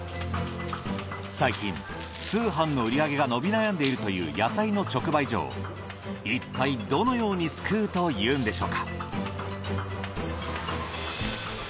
最近通販の売り上げが伸び悩んでいるという野菜の直売所をいったいどのように救うというんでしょうか？